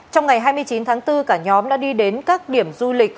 trong ngày hai mươi chín tháng bốn cả nhóm đã đi đến các điểm du lịch